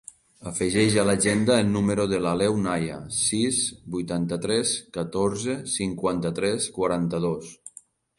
Afegeix a l'agenda el número de l'Aleu Naya: sis, vuitanta-tres, catorze, cinquanta-tres, quaranta-dos.